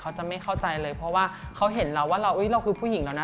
เขาจะไม่เข้าใจเลยเพราะว่าเขาเห็นเราว่าเราคือผู้หญิงแล้วนะ